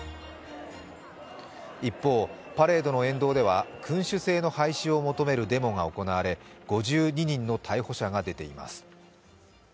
一方、パレードの沿道では君主制の廃止を求めるデモが行われ、５２人の逮捕者が出ています。